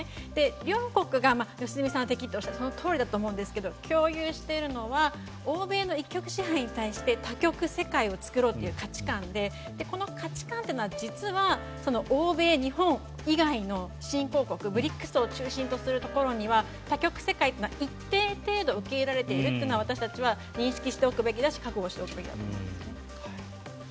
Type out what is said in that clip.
両国が、良純さんが敵っておっしゃったようにそのとおりだと思うんですが共有しているのは欧米の一極支配に対して多極世界を作ろうという価値観でこの価値観って実は欧米、日本以外の新興国ＢＲＩＣＳを中心とするところには多極世界は一定程度受け入れられているのは私たちは認識しておくべきだし覚悟しておくべきだと思います。